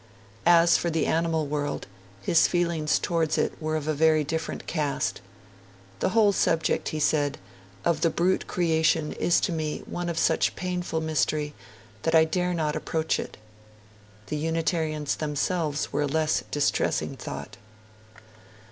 As for the animal world, his feelings towards it were of a very different cast. 'The whole subject,' he said, 'of the brute creation is to me one of such painful mystery, that I dare not approach it.' The Unitarians themselves were a less distressing thought.